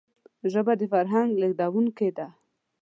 ژبه د فرهنګ لېږدونکی ده